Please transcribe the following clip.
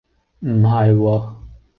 唔係喎